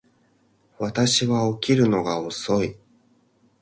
私は起きるのが遅い